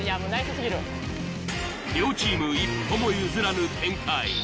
両チーム一歩も譲らぬ展開。